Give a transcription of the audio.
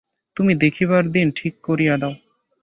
তুমি দেখিবার দিন ঠিক করিয়া দাও।